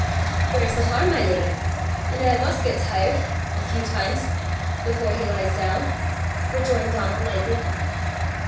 "Where's the harm, my lady? A man must get tired a few times before he lies down!" rejoined Donald lightly.